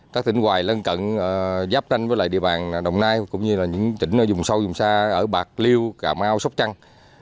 các tỉnh hoài lân cận giáp tranh với lại địa bàn đồng nai cũng như là những tỉnh ở dùng sâu dùng xa ở bạc liêu cà mau sóc trăng